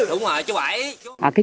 đúng rồi chú bảy